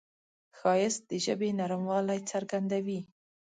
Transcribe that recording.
ښایست د ژبې نرموالی څرګندوي